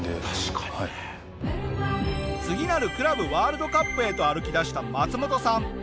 次なるクラブワールドカップへと歩き出したマツモトさん。